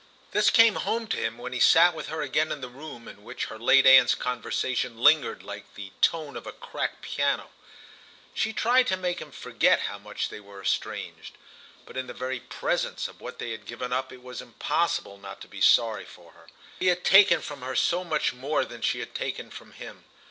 This came home to him when he sat with her again in the room in which her late aunt's conversation lingered like the tone of a cracked piano. She tried to make him forget how much they were estranged, but in the very presence of what they had given up it was impossible not to be sorry for her. He had taken from her so much more than she had taken from him.